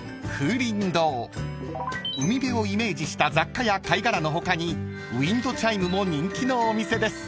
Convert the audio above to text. ［海辺をイメージした雑貨や貝殻の他にウインドチャイムも人気のお店です］